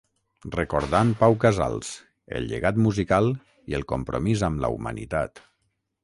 Recordant Pau Casals: el llegat musical i el compromís amb la humanitat.